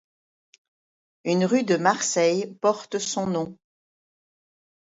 Une rue de Marseille porte son nom.